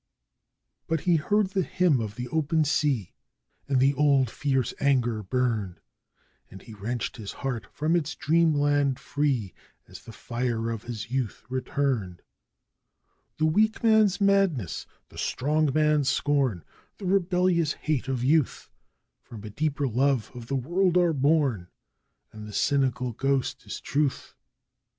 But he heard the hymn of the Open Sea, and the old fierce anger burned, And he wrenched his heart from its dreamland free as the fire of his youth returned: 'The weak man's madness, the strong man's scorn the rebellious hate of youth From a deeper love of the world are born! And the cynical ghost is Truth!